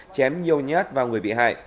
chém nhiều nhát vào người bị hại